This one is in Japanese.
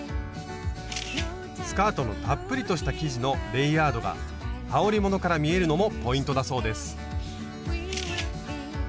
スカートのたっぷりとした生地のレイヤードがはおりものから見えるのもポイントだそうです。